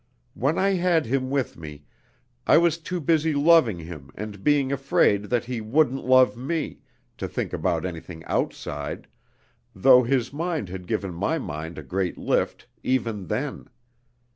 When I had him with me, I was too busy loving him and being afraid that he wouldn't love me, to think about anything outside, though his mind had given my mind a great lift, even then.